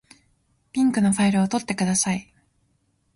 ピンクのファイルを取ってください。